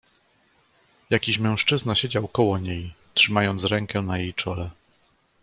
"Jakiś mężczyzna siedział koło niej, trzymając rękę na jej czole“."